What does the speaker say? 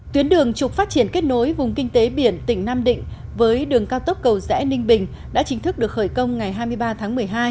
tuyến đường trục phát triển kết nối vùng kinh tế biển tỉnh nam định với đường cao tốc cầu rẽ ninh bình đã chính thức được khởi công ngày hai mươi ba tháng một mươi hai